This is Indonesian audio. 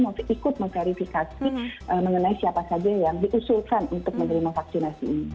masih ikut memverifikasi mengenai siapa saja yang diusulkan untuk menerima vaksinasi ini